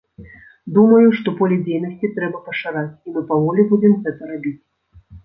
Думаю, што поле дзейнасці трэба пашыраць, і мы паволі будзем гэта рабіць.